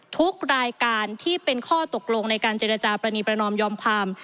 ทุกรายการที่เป็นข้อตกลงในการเจรจาปรณีประนอมยอมความ